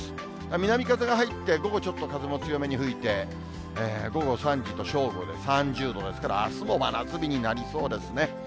南風が入って、午後ちょっと風も強めに吹いて、午後３時と正午で３０度ですから、あすも真夏日になりそうですね。